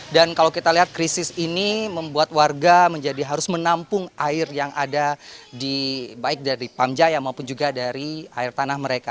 dan kalau kita lihat krisis ini membuat warga menjadi harus menampung air yang ada di baik dari pamjaya maupun juga dari air tanah mereka